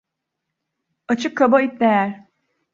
Açık kaba it değer.